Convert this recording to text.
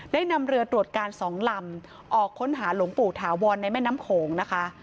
ได้นำเรือตรวจการสองลำออกค้นหาหลวงปู่ถาวรในแม่น้ำโขงนะคะ